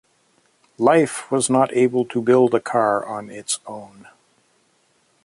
Life was not able to build a car on its own.